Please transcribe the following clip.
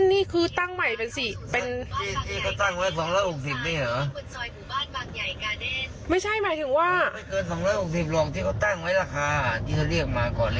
ที่เขาเรียกมาก่อนเรียกมา